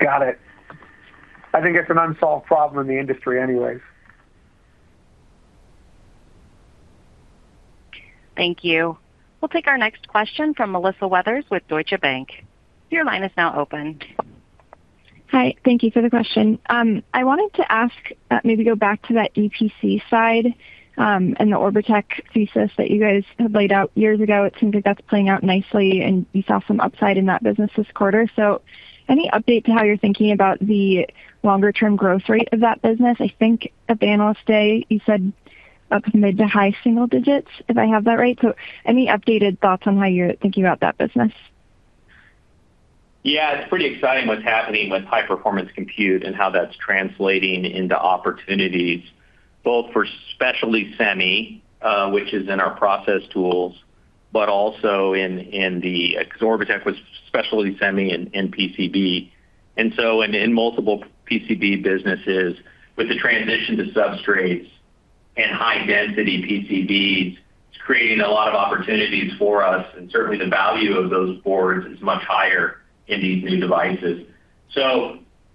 Got it. I think it's an unsolved problem in the industry anyways. Thank you. We'll take our next question from Melissa Weathers with Deutsche Bank. Your line is now open. Hi. Thank you for the question. I wanted to ask, maybe go back to that EPC side, and the Orbotech thesis that you guys had laid out years ago. It seems like that's playing out nicely, and we saw some upside in that business this quarter. Any update to how you're thinking about the longer-term growth rate of that business? I think at the Analyst Day you said mid to high single digits, if I have that right. Any updated thoughts on how you're thinking about that business? It's pretty exciting what's happening with high-performance computing and how that's translating into opportunities both for specialty semi, which is in our process tools, but also in the Orbotech was specialty semi and PCB. In multiple PCB businesses with the transition to substrates and high-density PCBs, it's creating a lot of opportunities for us, and certainly the value of those boards is much higher in these new devices.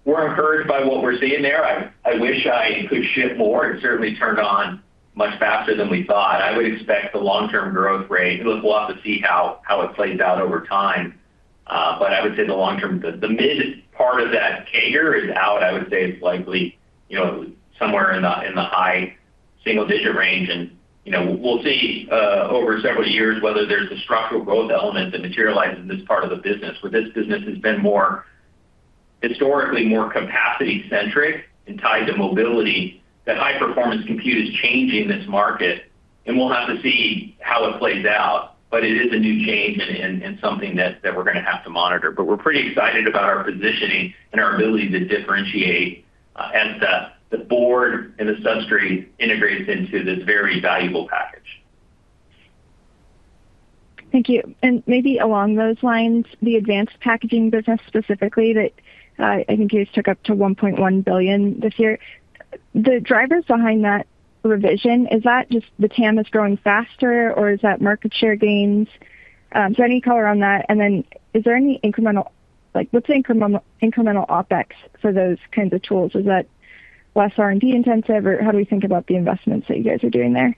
We're encouraged by what we're seeing there. I wish I could ship more. It certainly turned on much faster than we thought. I would expect the long-term growth rate. We'll have to see how it plays out over time. I would say in the long term, the mid part of that CAGR is out. I would say it's likely somewhere in the high single-digit range, and we'll see over several years whether there's a structural growth element that materializes in this part of the business, where this business has been historically more capacity-centric and tied to mobility, that high-performance computing is changing this market, and we'll have to see how it plays out. It is a new change and something that we're going to have to monitor. We're pretty excited about our positioning and our ability to differentiate as the board and the substrate integrates into this very valuable package. Thank you. Maybe along those lines, the advanced packaging business specifically that I think you guys took up to $1.1 billion this year, the drivers behind that revision, is that just the TAM is growing faster, or is that market share gains? Any color on that, and then is there any incremental, like what's the incremental OpEx for those kinds of tools? Is that less R&D intensive, or how do we think about the investments that you guys are doing there?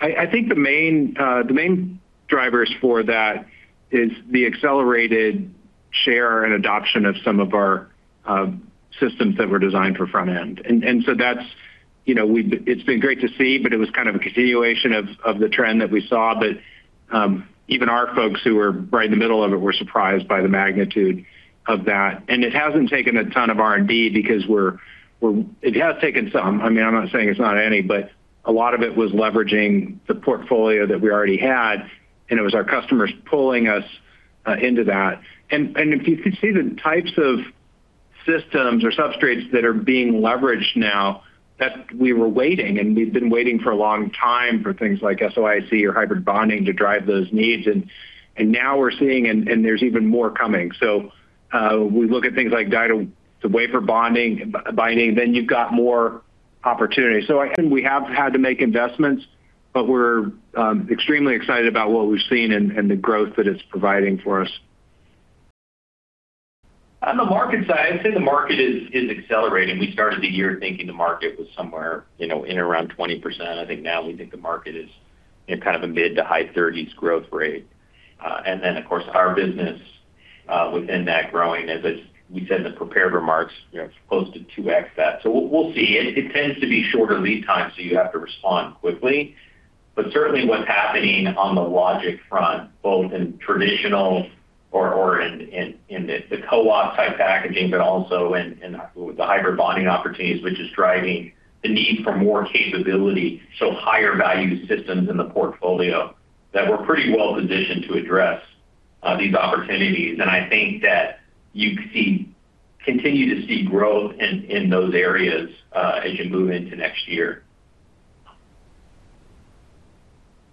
I think the main drivers for that is the accelerated share and adoption of some of our systems that were designed for front end. It's been great to see, but it was kind of a continuation of the trend that we saw. Even our folks who were right in the middle of it were surprised by the magnitude of that. It hasn't taken a ton of R&D because It has taken some, I'm not saying it's not any, but a lot of it was leveraging the portfolio that we already had, and it was our customers pulling us into that. If you could see the types of systems or substrates that are being leveraged now, that we were waiting, and we've been waiting for a long time for things like SOIC or hybrid bonding to drive those needs. Now we're seeing, and there's even more coming. We look at things like die-to-wafer bonding, you've got more opportunities. I think we have had to make investments, but we're extremely excited about what we've seen and the growth that it's providing for us. On the market side, I'd say the market is accelerating. We started the year thinking the market was somewhere in around 20%. I think now we think the market is in kind of a mid to high 30s% growth rate. Of course, our business within that growing, as we said in the prepared remarks, close to 2x that. We'll see. It tends to be shorter lead time, so you have to respond quickly. Certainly what's happening on the logic front, both in traditional or in the CoWoS type packaging, but also in the hybrid bonding opportunities, which is driving the need for more capability, so higher value systems in the portfolio that we're pretty well-positioned to address these opportunities. I think that you continue to see growth in those areas as you move into next year.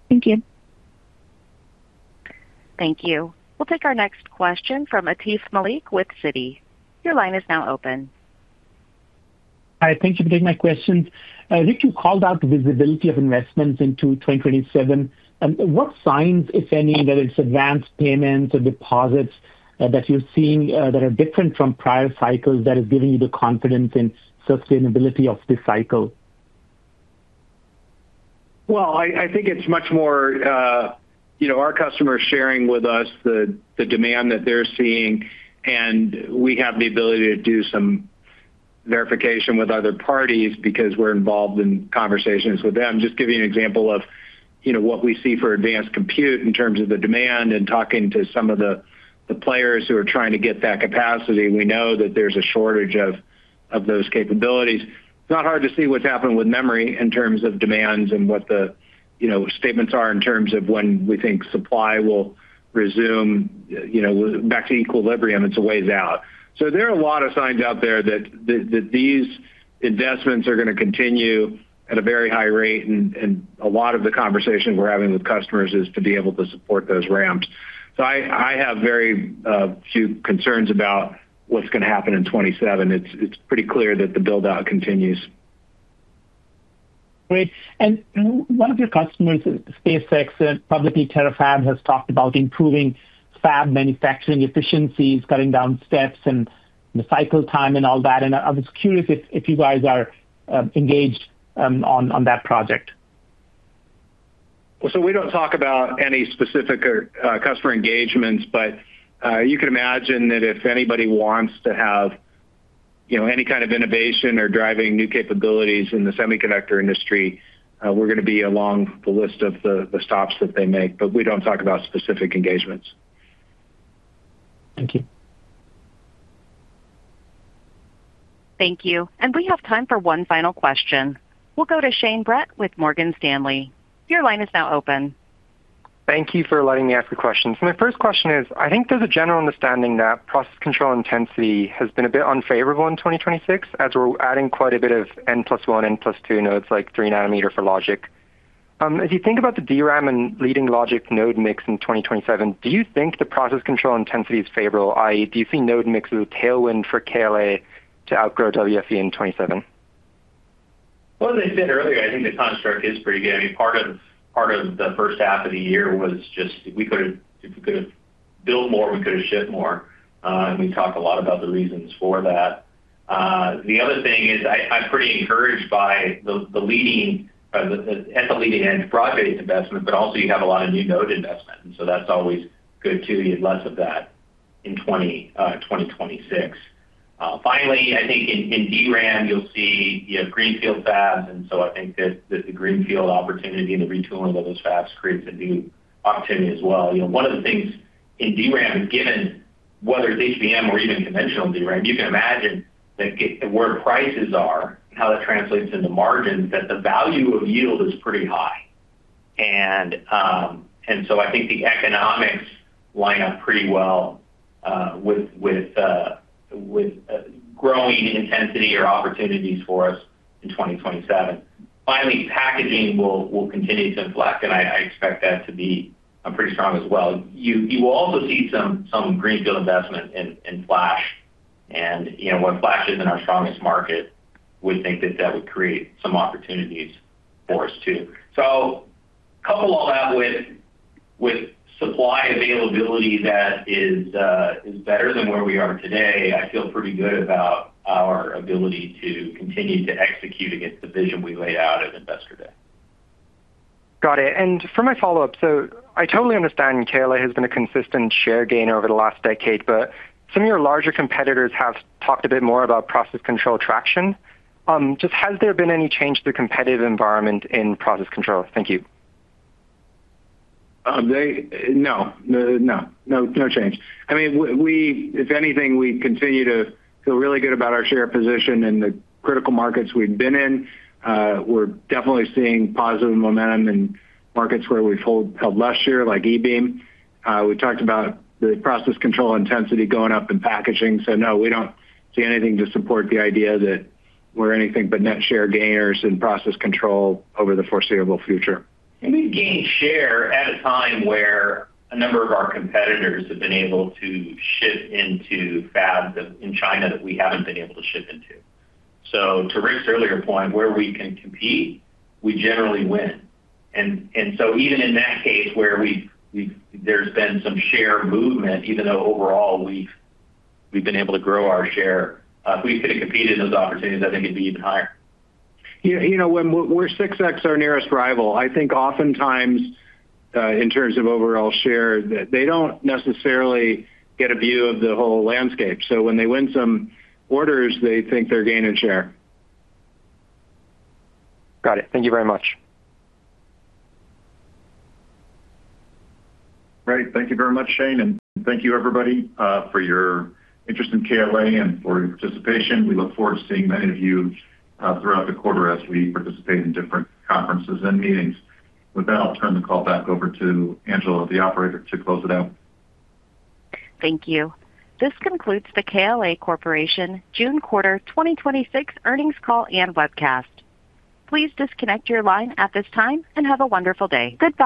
Thank you. Thank you. We'll take our next question from Atif Malik with Citi. Your line is now open. Hi. Thank you for taking my questions. Rick, you called out the visibility of investments into 2027. What signs, if any, that it's advanced payments or deposits that you're seeing that are different from prior cycles that is giving you the confidence in sustainability of this cycle? Well, I think it's much more our customers sharing with us the demand that they're seeing, and we have the ability to do some verification with other parties because we're involved in conversations with them. Just giving you an example of what we see for advanced compute in terms of the demand and talking to some of the players who are trying to get that capacity. We know that there's a shortage of those capabilities. It's not hard to see what's happened with memory in terms of demands and what the statements are in terms of when we think supply will resume back to equilibrium. It's a ways out. There are a lot of signs out there that these investments are going to continue at a very high rate, and a lot of the conversations we're having with customers is to be able to support those ramps. I have very few concerns about what's going to happen in 2027. It's pretty clear that the build-out continues. Great. One of your customers, SpaceX, and publicly Terafab, has talked about improving fab manufacturing efficiencies, cutting down steps and the cycle time and all that. I was curious if you guys are engaged on that project. We don't talk about any specific customer engagements. You can imagine that if anybody wants to have any kind of innovation or driving new capabilities in the semiconductor industry, we're going to be along the list of the stops that they make. We don't talk about specific engagements. Thank you. Thank you. We have time for one final question. We'll go to Shane Brett with Morgan Stanley. Your line is now open. Thank you for letting me ask the question. My first question is, I think there's a general understanding that process control intensity has been a bit unfavorable in 2026 as we're adding quite a bit of n plus one, n plus two nodes, like three nanometer for logic. As you think about the DRAM and leading logic node mix in 2027, do you think the process control intensity is favorable, i.e., do you see node mix as a tailwind for KLA to outgrow WFE in 2027? Well, as I said earlier, I think the construct is pretty good. Part of the first half of the year was just, if we could have built more, we could have shipped more. We talked a lot about the reasons for that. The other thing is, I'm pretty encouraged by the leading end broad-based investment, you have a lot of new node investment, that's always good, too. You had less of that in 2026. Finally, I think in DRAM, you'll see greenfield fabs, I think that the greenfield opportunity and the retooling of those fabs creates a new opportunity as well. One of the things in DRAM, given whether it's HBM or even conventional DRAM, you can imagine that where prices are and how that translates into margins, that the value of yield is pretty high. I think the economics line up pretty well with growing intensity or opportunities for us in 2027. Finally, packaging will continue to reflect, I expect that to be pretty strong as well. You will also see some greenfield investment in flash. While flash isn't our strongest market, would think that that would create some opportunities for us, too. Couple all that with supply availability that is better than where we are today, I feel pretty good about our ability to continue to execute against the vision we laid out at Investor Day. Got it. For my follow-up, I totally understand KLA has been a consistent share gainer over the last decade, some of your larger competitors have talked a bit more about process control traction. Has there been any change to the competitive environment in process control? Thank you. No. No change. If anything, we continue to feel really good about our share position in the critical markets we've been in. We're definitely seeing positive momentum in markets where we've held last year, like E-beam. We talked about the process control intensity going up in packaging. No, we don't see anything to support the idea that we're anything but net share gainers in process control over the foreseeable future. We've gained share at a time where a number of our competitors have been able to ship into fabs in China that we haven't been able to ship into. To Rick's earlier point, where we can compete, we generally win. Even in that case where there's been some share movement, even though overall we've been able to grow our share, if we could have competed in those opportunities, I think it'd be even higher. When we're 6x our nearest rival, I think oftentimes, in terms of overall share, that they don't necessarily get a view of the whole landscape. When they win some orders, they think they're gaining share. Got it. Thank you very much. Great. Thank you very much, Shane, and thank you everybody for your interest in KLA and for your participation. We look forward to seeing many of you throughout the quarter as we participate in different conferences and meetings. With that, I'll turn the call back over to Angela, the operator, to close it out. Thank you. This concludes the KLA Corporation June quarter 2026 earnings call and webcast. Please disconnect your line at this time and have a wonderful day. Goodbye.